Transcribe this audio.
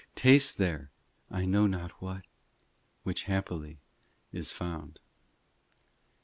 Tastes there I know not what, Which happily is found.